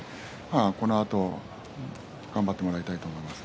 このあと頑張ってもらいたいと思います。